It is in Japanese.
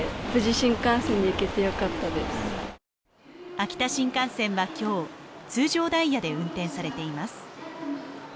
秋田新幹線は今日通常ダイヤで運転されています。